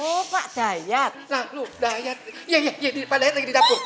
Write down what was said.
nah lo dayat iya iya pak dayat lagi di dapur